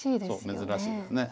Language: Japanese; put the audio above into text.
そう珍しいです。